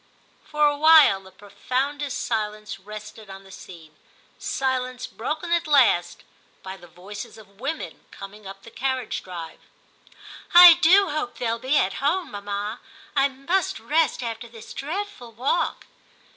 For a while the profoundest silence rested on the scene — silence broken at last by the voices of women coming up the carriage drive. * I do hope they'll be at home, mamma ; I must rest after this dreadful walk.